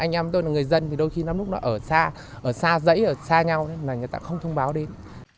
anh em tôi là người dân thì đôi khi lúc đó ở xa ở xa dãy ở xa nhau mà người ta không thông báo đến